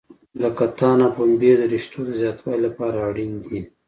د کتان او پنبې د رشتو د زیاتوالي لپاره اړین دي.